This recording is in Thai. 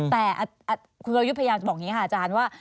แต่คุณวรยุทธ์พยายามจะบอกอย่างนี้ค่ะอาจารย์ว่า